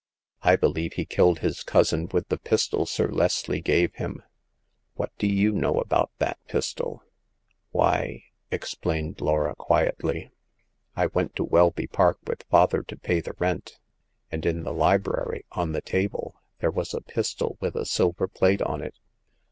I be lieve he killed his cousin with the pistol Sir Leslie gave him." What do you know about that pistol ?"'* Why," explained Laura, quietly, I went to Welby Park with father to pay the rent, and in the library, on the table, there was a pistol with a silver plate on it.